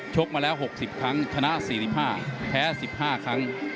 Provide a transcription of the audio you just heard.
กมาแล้ว๖๐ครั้งชนะ๔๕แพ้๑๕ครั้ง